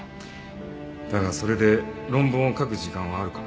だがそれで論文を書く時間はあるか？